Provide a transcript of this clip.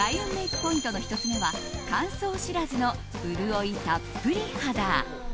ポイントの１つ目は乾燥知らずの潤いたっぷり肌。